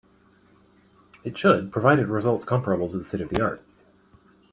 It should provided results comparable to the state of the art.